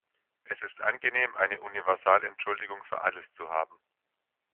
Es ist angenehm, eine Universal-Entschuldigung für alles zu haben.